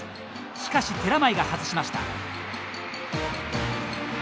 しかし寺前が外しました。